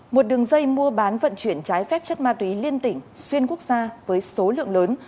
một đường dây mua bán vận chuyển trái phép chất ma túy liên tỉnh xuyên quốc gia với số lượng lớn